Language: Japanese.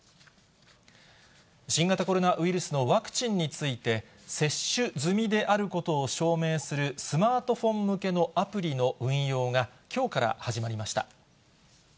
新型コロナウイルスのワクチンについて、接種済みであることを証明する、スマートフォン向けのアプリの運用が、きょうから始まりました。